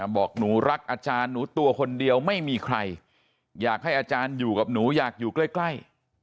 บอกหนูรักอาจารย์หนูตัวคนเดียวไม่มีใครอยากให้อาจารย์อยู่กับหนูอยากอยู่ใกล้